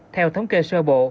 theo thống kê sơ bộ